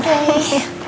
bisa gak pake segalanya